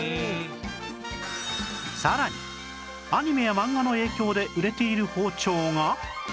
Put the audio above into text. さらにアニメや漫画の影響で売れている包丁が